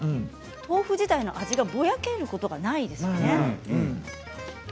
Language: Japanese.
豆腐自体の味がぼやけることがないですよね。